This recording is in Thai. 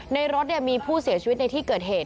ในรถมีผู้เสียชีวิตในที่เกิดเหตุ